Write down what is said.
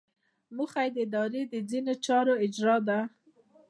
موخه یې د ادارې د ځینو چارو اجرا ده.